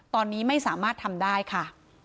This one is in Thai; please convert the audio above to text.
ตอนนี้ไม่สามารถทำได้ค่ะ